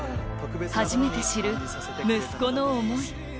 初めて知る息子の思い